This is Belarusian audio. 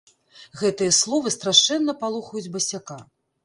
Гэтыя словы страшэнна палохаюць басяка.